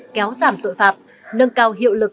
kéo giảm tội phạm nâng cao hiệu lực